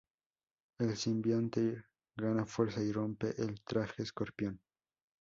El simbionte gana fuerza y rompe el traje Escorpión.